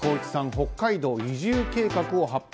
北海道移住計画を発表。